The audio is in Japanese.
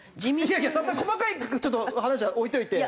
いやいやそんな細かいちょっと話は置いておいて。